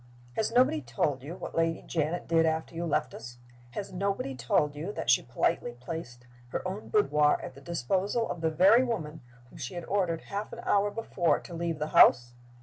"Has nobody told you what Lady Janet did after you left us? Has nobody told you that she politely placed her own boudoir at the disposal of the very woman whom she had ordered half an hour before to leave the house?